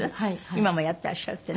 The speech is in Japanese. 今もやってらっしゃるってね。